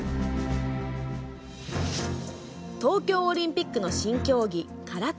東京オリンピックの新競技空手。